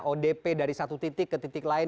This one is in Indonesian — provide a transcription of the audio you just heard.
odp dari satu titik ke titik lain